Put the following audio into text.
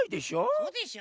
そうでしょ？